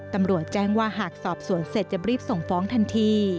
ตำรวจแจ้งว่าหากสอบสวนเสร็จจะรีบส่งฟ้องทันที